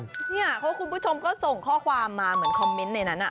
เพราะคุณผู้ชมก็ส่งข้อความมาเหมือนคอมเมนต์ในนั้น